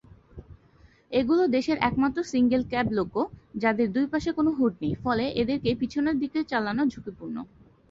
এগুলো দেশের একমাত্র সিঙ্গেল-ক্যাব লোকো যাদের দুই পাশে কোনো হুড নেই, ফলে এদেরকে পেছন দিকে চালানো ঝুঁকিপূর্ণ।